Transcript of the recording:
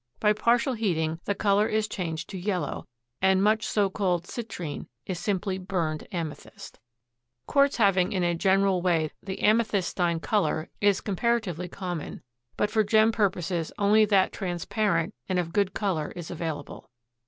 By partial heating the color is changed to yellow, and much so called citrine is simply burned amethyst. Quartz having in a general way the amethystine color is comparatively common, but for gem purposes only that transparent and of good color is available.